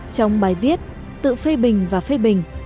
trong bài viết tự phê bình và phê bình